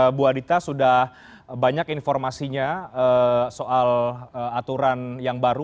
ibu adita sudah banyak informasinya soal aturan yang baru